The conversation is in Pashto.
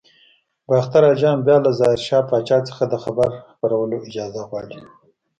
باختر اجان بیا له ظاهر شاه پاچا څخه د خبر خپرولو اجازه غواړي.